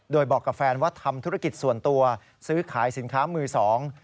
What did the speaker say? โดยบอกกับแฟนว่าทำธุรกิจส่วนตัวซื้อขายสินค้ามือสอง